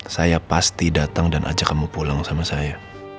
saya pasti datang dan ajak kamu pulang sama saya